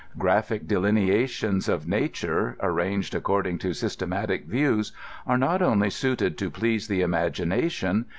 Graphic delineations of nature, arranged according to sys tematic views^ are not only suited to please the imagination.